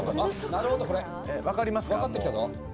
なるほど、分かってきたぞ。